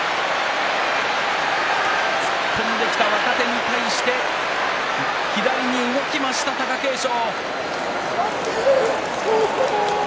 突っ込んできた若手に対して左に動きました貴景勝。